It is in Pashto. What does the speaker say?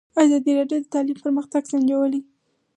ازادي راډیو د تعلیم پرمختګ سنجولی.